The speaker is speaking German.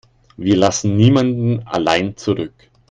Wir lassen niemanden allein zurück.